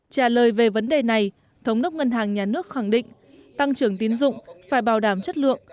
trả lời về vấn đề này thống đốc ngân hàng nhà nước khẳng định tăng trưởng tín dụng phải bảo đảm chất lượng